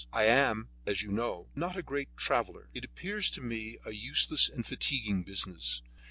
I am, as you know, not a great traveller; it appears to me a useless and fatiguing business.